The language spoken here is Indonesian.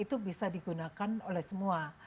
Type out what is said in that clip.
itu bisa digunakan oleh semua